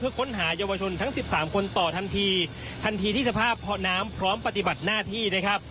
และค้นหาเยาวชนทั้ง๑๓คนต่อทันทีทันทีที่สภาพพ่อน้ำพร้อมปฏิบัติหน้าที่